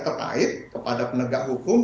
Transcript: terkait kepada penegak hukum